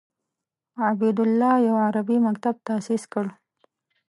عبیدالله یو عربي مکتب تاسیس کړ.